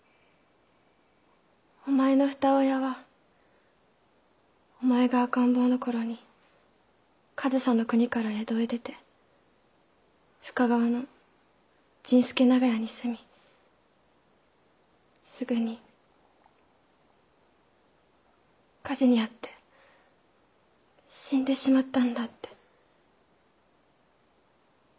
「お前の二親はお前が赤ん坊の頃に上総の国から江戸へ出て深川の甚助長屋に住みすぐに火事に遭って死んでしまったんだ」って。